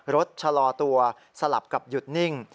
ชะลอตัวสลับกับหยุดนิ่ง